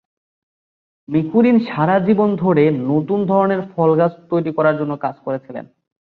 Michurin সারা জীবন ধরে নতুন ধরনের ফলগাছ তৈরি করার জন্য কাজ করেছিলেন।